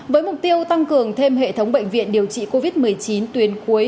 với mục tiêu tăng cường thêm hệ thống bệnh viện điều trị covid một mươi chín tuyến cuối